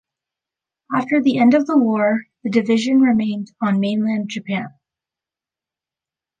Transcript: After the end of the war, the division remained on mainland Japan.